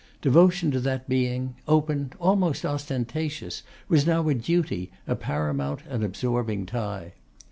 Devotion to that being, open, almost ostentatious, was now a duty, a paramount and absorbing tie.